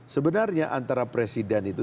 sebenarnya antara presiden itu